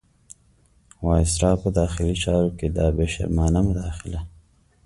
وایسرا په داخلي چارو کې دا بې شرمانه مداخله.